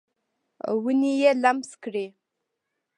ونې یې لمس کړي